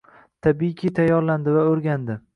Tabiiyki tayyorlandi va o’rgandi.